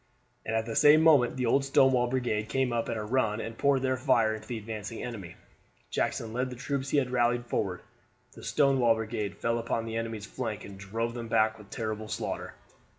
At the same moment the old Stonewall Brigade came up at a run and poured their fire into the advancing enemy. Jackson led the troops he had rallied forward. The Stonewall Brigade fell upon the enemy's flank and drove them back with terrible slaughter.